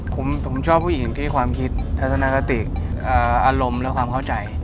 ผมชอบผู้หญิงที่ความคิดทัศนคติอารมณ์และความเข้าใจ